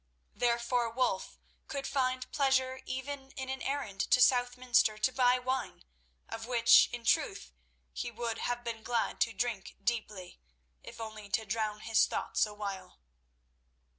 Therefore, Wulf could find pleasure even in an errand to Southminster to buy wine, of which, in truth, he would have been glad to drink deeply, if only to drown his thoughts awhile.